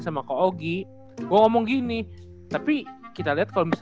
cuma kemarin gue tekanin tuh kemarin pas lagi di live nya gitu kan